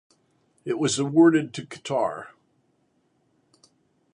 It was awarded to Qatar.